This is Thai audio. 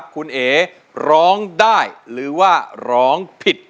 คุณเอ๋ร้องได้หรือว่าร้องผิด